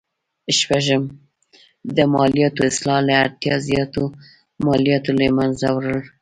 شپږم: د مالیاتو اصلاح او له اړتیا زیاتو مالیاتو له مینځه وړل.